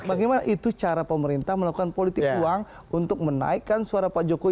bagaimana itu cara pemerintah melakukan politik uang untuk menaikkan suara pak jokowi